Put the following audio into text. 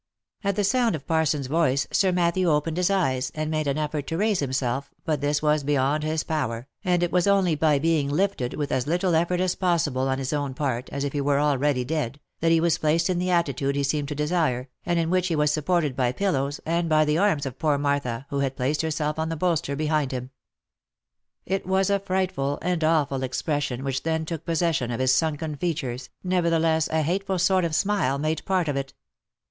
At the sound of Parsons's voice Sir Matthew opened his eyes, and made an effort to raise himself, but this was beyond his power, and it was only by being lifted with as little effort as possible on his own part, as if he were already dead, that he was placed in the attitude he seemed to desire, and in which he was supported by pillows, and by the arms of poor Martha, who had placed herself on the bolster behind him. 362 THE LIFE AND ADVENTURES It was a frightful and awful expression which then took possession of his sunken features, nevertheless a hateful sort of smile made part of it.